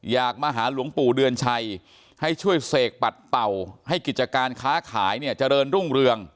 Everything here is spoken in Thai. อยากมาหาหลวงปู่เดือนชัยให้ช่วยเสกปัดเป่าให้กิจการค้าขายเนี่ยเจริญรุ่งเรือง